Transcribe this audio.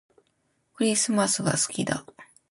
クリスマスが好きだ